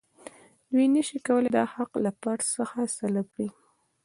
دوی نشي کولای دا حق له فرد څخه سلب کړي.